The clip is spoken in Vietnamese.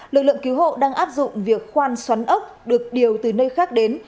lực lượng cứu hộ đang áp dụng việc khoan xoắn ốc được điều từ nơi khác đến